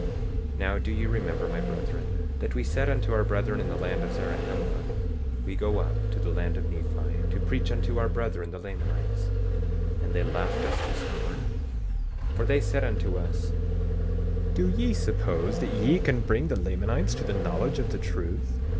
26:23 Now do ye remember, my brethren, that we said unto our brethren in the land of Zarahemla, we go up to the land of Nephi, to preach unto our brethren, the Lamanites, and they laughed us to scorn? 26:24 For they said unto us: Do ye suppose that ye can bring the Lamanites to the knowledge of the truth?